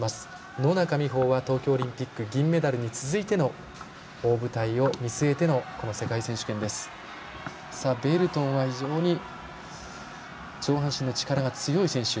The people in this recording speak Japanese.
野中生萌は東京オリンピック銀メダルに続いての大舞台を見据えての世界選手権ベルトンは非常に上半身の力が強い選手。